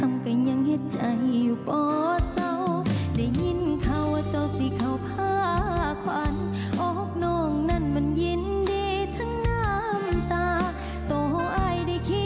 แฟนเก่าบดซ่าวลูก